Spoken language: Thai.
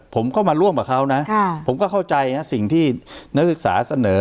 ผมก็มาร่วมกับเขานะผมก็เข้าใจนะสิ่งที่นักศึกษาเสนอ